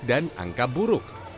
dan angka buruk